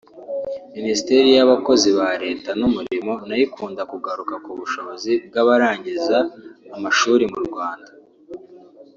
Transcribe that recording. Minisiteri y’abakozi ba Leta n’umurimo nayo ikunda kugaruka ku bushobozi bw’abarangiza amashuri mu Rwanda